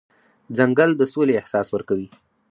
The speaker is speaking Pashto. ځنګل د سولې احساس ورکوي.